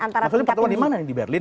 maksudnya pertemuan dimana nih di berlin